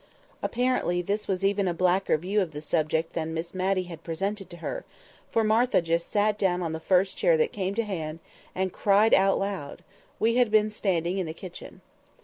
Apparently this was even a blacker view of the subject than Miss Matty had presented to her, for Martha just sat down on the first chair that came to hand, and cried out loud (we had been standing in the kitchen).